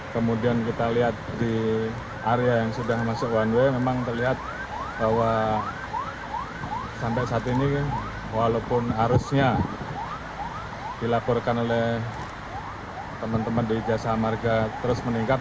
kemudian kita lihat di area yang sudah masuk one way memang terlihat bahwa sampai saat ini walaupun arusnya dilaporkan oleh teman teman di jasa marga terus meningkat